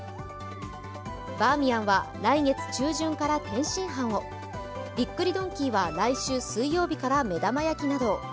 バーミヤンは来月中旬から天津飯をびっくりドンキーは来週水曜日から目玉焼きなどを。